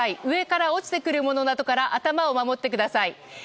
上から落ちてくるものなどから頭を守ってください。